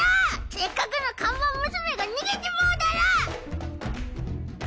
せっかくの看板娘が逃げちまうだろ！